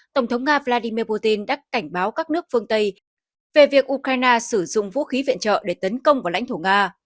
tổng thống nga vladimir putin đã cảnh báo các nước phương tây về việc ukraine sử dụng vũ khí viện trợ để tấn công vào lãnh thổ nga